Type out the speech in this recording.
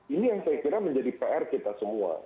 ini yang saya kira menjadi pr kita semua